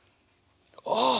ああ！